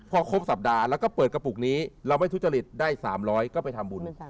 พอครบสัปดาห์แล้วก็เปิดกระปุกนี้เราไม่ทุจริตได้๓๐๐ก็ไปทำบุญ